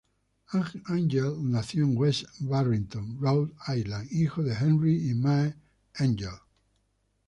Angell nació en West Barrington, Rhode Island, hijo de Henry y Mae Angell.